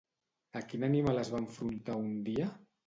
A quin animal es va enfrontar un dia?